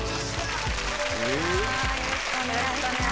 よろしくお願いします。